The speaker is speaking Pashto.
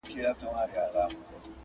چي له ستوني دي آواز نه وي وتلی!.